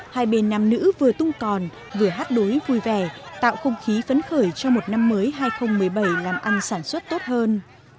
hai bên nam nữ vừa tung còn vừa hát đối vui vẻ tạo không khí phấn khởi cho một năm mới hai nghìn một mươi bảy làm ăn sản xuất tốt hơn